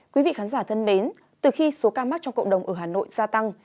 quý vị khán giả thân mến từ khi số ca mắc trong cộng đồng ở hà nội gia tăng